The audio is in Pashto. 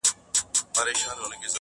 په صحبت نه مړېدی د عالمانو!.